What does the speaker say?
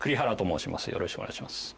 よろしくお願いします。